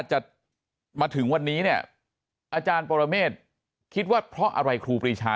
จะมาถึงวันนี้เนี่ยอาจารย์ปรเมฆคิดว่าเพราะอะไรครูปรีชา